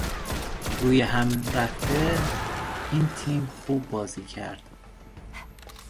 رویهم رفته این تیم خوب بازی کرد